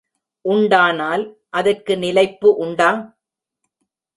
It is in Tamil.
உண்டானால் அதற்கு நிலைப்பு உண்டா?